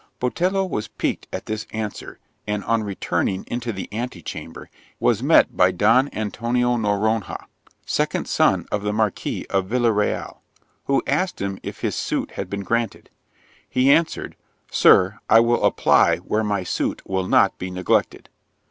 Botelho was piqued at this answer, and, on returning into the ante chamber, was met by Don Antonio Noronha, second son of the Marquis of Villa Real, who asked him if his suit had been granted: he answered, "Sir, I will apply where my suit will not be neglected."